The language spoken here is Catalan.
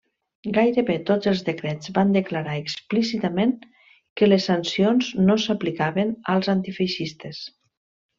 Gairebé tots els decrets van declarar explícitament que les sancions no s'aplicaven als antifeixistes.